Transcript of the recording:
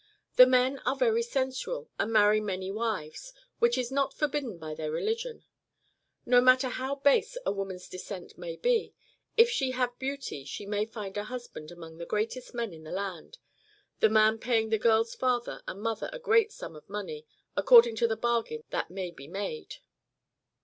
The men are very sensual, and marry many wives, which is not forbidden by their rehgion. No matter how base a woman's descent may be, if she have beauty she may find a husband among the greatest men in the land, the man paying the girl's father and mother a great sum of money, according to the bargain that may be made.